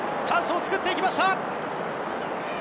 チャンスを作っていきました！